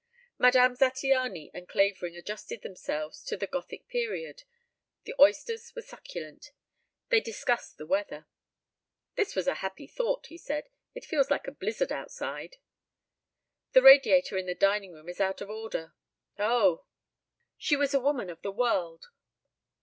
Madame Zattiany and Clavering adjusted themselves to the Gothic period. The oysters were succulent. They discussed the weather. "This was a happy thought," he said. "It feels like a blizzard outside." "The radiator in the dining room is out of order." "Oh!" She was a woman of the world.